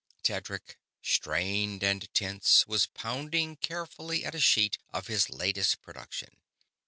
Tedric, strained and tense, was pounding carefully at a sheet of his latest production.